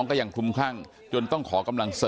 ผู้ชมครับท่าน